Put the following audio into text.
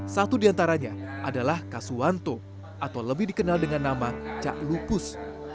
satu di antaranya adalah kasuwanto atau lebih dikenal dengan nama cak lupus